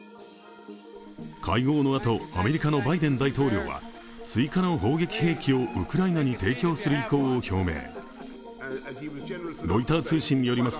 会合のあと、アメリカのバイデン大統領は追加の砲撃兵器をウクライナに提供する意向を表明。